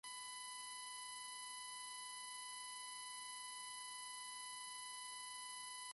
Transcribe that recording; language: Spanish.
Sus restos se han encontrado en Brasil, Argentina y Uruguay.